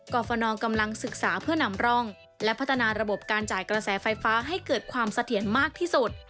ฟนกำลังศึกษาเพื่อนำร่องและพัฒนาระบบการจ่ายกระแสไฟฟ้าให้เกิดความเสถียรมากที่สุด